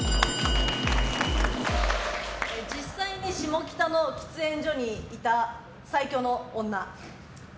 実際に下北の喫煙所にいた最強の女。